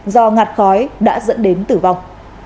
do ngạt khói đã dẫn đến tử vong